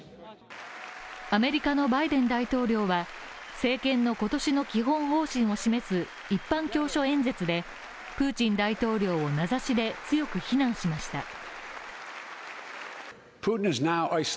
アメリカのバイデン大統領は政権の今年の基本方針を示す一般教書演説でプーチン大統領を名指しで強く非難しました。